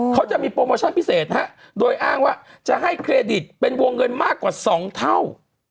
เขาจะมีโปรโมชั่นพิเศษโดยอ้างว่าจะให้เครดิตเป็นวงเงินมากกว่า๒เท่า